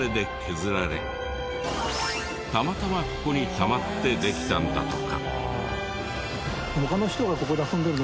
たまたまここにたまってできたんだとか。